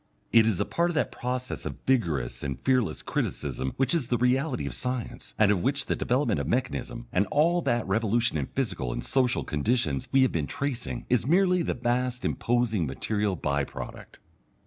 It is a part of that process of vigorous and fearless criticism which is the reality of science, and of which the development of mechanism and all that revolution in physical and social conditions we have been tracing, is merely the vast imposing material bye product.